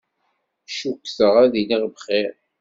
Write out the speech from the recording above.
Cukkteɣ ad iliɣ bxir.